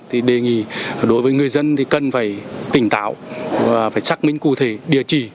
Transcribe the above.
thì đề nghị đối với người dân thì cần phải tỉnh táo và phải xác minh cụ thể địa chỉ